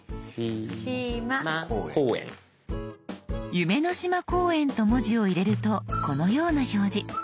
「夢の島公園」と文字を入れるとこのような表示。